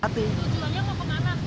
tujuannya mau ke mana